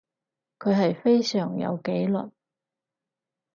佢係非常有紀律